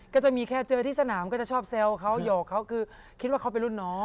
ก็จะมีแค่เจอที่สนามก็จะชอบแซวเขาหยอกเขาคือคิดว่าเขาเป็นรุ่นน้อง